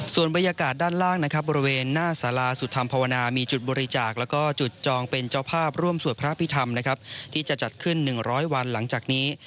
ส่วนบรรยากาศด้านล่างนะครับบริเวณหน้าสาราสุธรรมภาวนามีจุดบริจาคแล้วก็จุดจองเป็นเจ้าภาพร่วมสวดพระพิธรรมนะครับที่จะจัดขึ้น๑๐๐วันหลังจากนี้